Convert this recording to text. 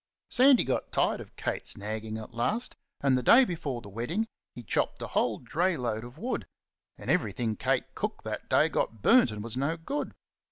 Sandy got tired of Kate's nagging at last, and the day before the wedding he chopped a whole dray load of wood; and everything Kate cooked that day got burnt and was no good.